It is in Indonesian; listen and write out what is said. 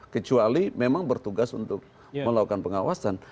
kecuali memang bertugas untuk melakukan pengawasan